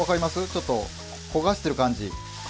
ちょっと焦がしてる感じ。